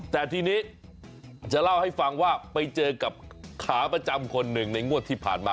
แต่ทีนี้จะเล่าให้ฟังว่าไปเจอกับขาประจำคนหนึ่งในงวดที่ผ่านมา